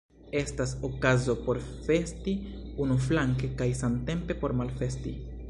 Estas okazo por festi unuflanke kaj samtempe por malfesti.